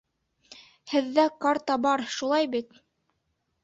Һеҙҙә карта бар, шулай бит?